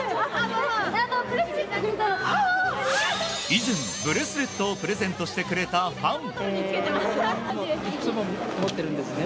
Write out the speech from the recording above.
以前、ブレスレットをプレゼントしてくれたファン。